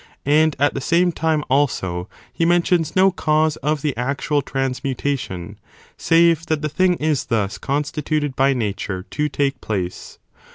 And, at the same time, also, he mentions no cause of the actual transmutation, save that the thing is thus constituted by nature to take place.